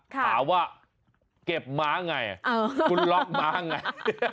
ถามว่าเก็บม้าไงคุณล็อกม้าไง